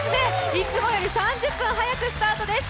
いつもより３０分早くスタートです。